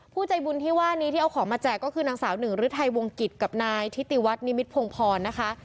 ใจบุญที่ว่านี้ที่เอาของมาแจกก็คือนางสาวหนึ่งฤทัยวงกิจกับนายทิติวัฒนิมิตพงพรนะคะ